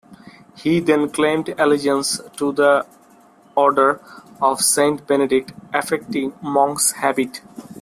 He then claimed allegiance to the Order of Saint Benedict, affecting a monk's habit.